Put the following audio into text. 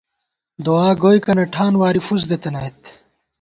دعا گوئیکَنہ ٹھان، واری فُس دِتَنَئیت